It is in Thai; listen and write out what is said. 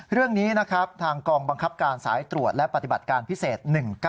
เรื่องนี้นะครับทางกองบังคับการสายตรวจและปฏิบัติการพิเศษ๑๙